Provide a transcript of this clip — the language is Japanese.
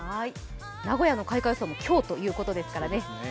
名古屋の開花予想も今日ということですから。